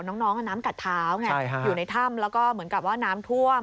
น้องน้ำกัดเท้าไงอยู่ในถ้ำแล้วก็เหมือนกับว่าน้ำท่วม